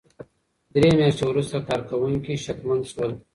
درې مياشتې وروسته کارکوونکي شکمن شول.